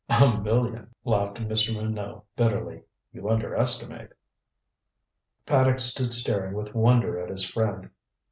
"A million," laughed Mr. Minot bitterly. "You underestimate." Paddock stood staring with wonder at his friend.